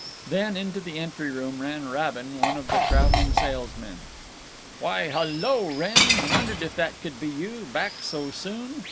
Then into the entry room ran Rabin, one of the traveling salesmen. "Why, hul lo, Wrenn! Wondered if that could be you. Back so soon?